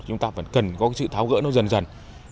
chúng ta vẫn cần có cái sự tháo gỡ nó dần dần